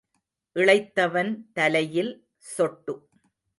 இளைத்தவன் தலையில் சொட்டு.